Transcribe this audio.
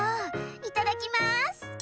いただきます。